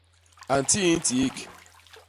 A ntii ntiik.